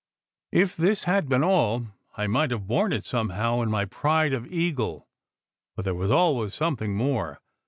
If this had been all, I might have borne it somehow in my pride of Eagle. But there was always something more.